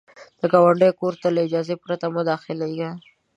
د ګاونډي کور ته له اجازې پرته مه داخلیږه